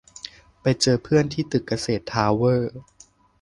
ไปเจอเพื่อนที่ตึกเกษรทาวเวอร์